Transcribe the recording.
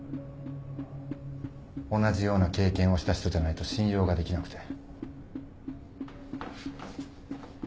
同じような経験をした人じゃないと信用ができなくて。